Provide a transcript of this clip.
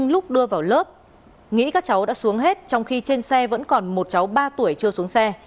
lúc đưa vào lớp nghĩ các cháu đã xuống hết trong khi trên xe vẫn còn một cháu ba tuổi chưa xuống xe